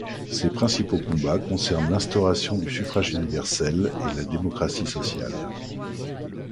Ses principaux combats concernent l’instauration du suffrage universel et la démocratie sociale.